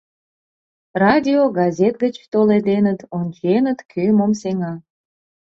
Радио, газет гыч толеденыт, онченыт: кӧ кӧм сеҥа?